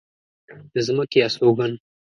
د ځمکې استوگن